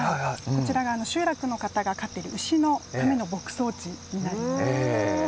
こちらは集落の方が飼っている牛のための牧草地です。